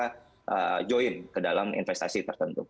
dan mereka harus join ke dalam investasi tertentu